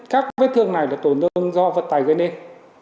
các vết thương này là tổn thương do vật tài gây nên